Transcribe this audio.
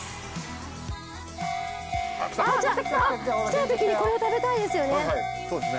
来たときにこれを食べたいですよね。